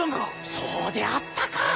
そうであったか！